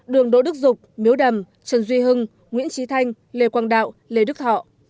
đường đỗ đức dục miếu đầm trần duy hưng nguyễn trí thanh lê quang đạo lê đức thọ